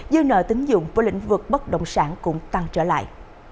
dư nợ tính dụng của lĩnh vực bất động sản cũng tăng trở lại